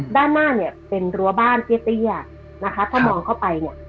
ด้านหน้าเป็นรั้วบ้านเตี้ยถ้ามองเข้าไป